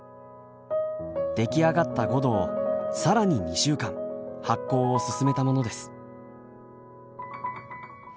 出来上がったごどを更に２週間発酵を進めたものです。